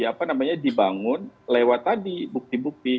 tapi itu harus dibangun lewat tadi bukti bukti